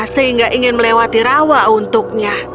sehingga ingin melewati rawa untuknya